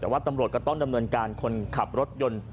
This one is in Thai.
แต่ว่าตำรวจก็ต้องดำเนินการคนขับรถยนต์